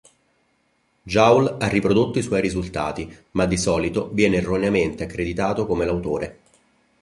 Joule ha riprodotto i suoi risultati ma di solito viene erroneamente accreditato come l'autore.